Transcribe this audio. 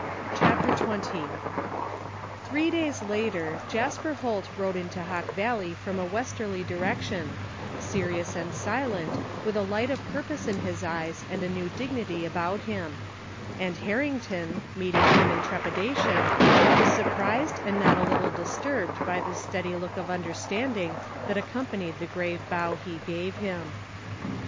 CHAPTER XX Three days later Jasper Holt rode into Hawk Valley from a Westerly direction, serious and silent, with a light of purpose in his eyes and a new dignity about him; and Harrington, meeting him in trepida tion, was surprised and not a little disturbed by the steady look of understanding that accompanied the grave bow he gave him.